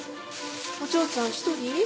お嬢ちゃん一人？